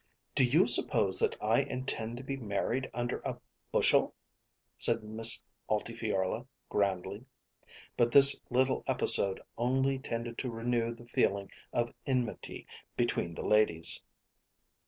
"Do you suppose that I intend to be married under a bushel?" said Miss Altifiorla grandly. But this little episode only tended to renew the feeling of enmity between the ladies.